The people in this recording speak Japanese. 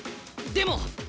でも。